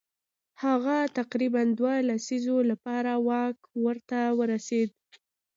هغه تقریبا دوو لسیزو لپاره واک ورته ورسېد.